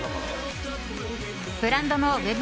ブランドのウェブ